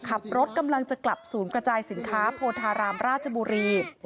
กำลังจะกลับศูนย์กระจายสินค้าโพธารามราชบุรี